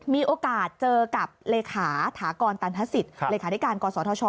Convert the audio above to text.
มีโอกาสเจอกับเลขาถากรตันทศิษย์เลขาธิการกศธช